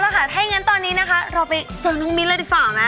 ถ้าอย่างนั้นตอนนี้นะคะเราไปเจอน้องมิ้นเลยดีกว่านะ